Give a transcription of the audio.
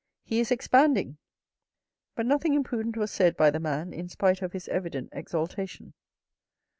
He is expanding." But nothing imprudent was said by the man in spite of his evident exaltation.